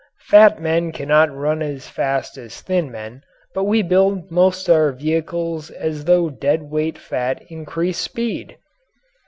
Fat men cannot run as fast as thin men but we build most of our vehicles as though dead weight fat increased speed!